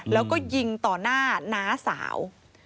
แล้วก็ยิงต่อหน้าน้าสาว